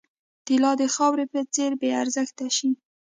طلا د خاورې په څېر بې ارزښته شي.